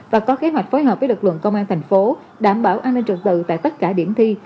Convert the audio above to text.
và có kế hoạch phối hợp với lực lượng công an thành phố đảm bảo an ninh trực tự tại tất cả điểm thi